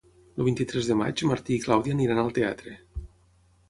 El vint-i-tres de maig en Martí i na Clàudia aniran al teatre.